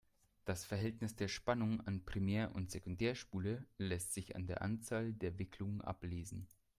Das Verhältnis der Spannung an Primär- und Sekundärspule lässt sich an der Anzahl der Wicklungen ablesen.